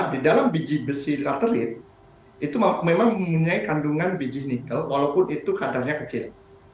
di dalam biji besi katelit itu memang mempunyai kandungan biji nikel walaupun itu kadarnya kecil